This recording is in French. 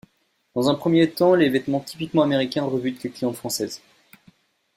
Dans un premier temps, les vêtements typiquement américains rebutent les clientes françaises.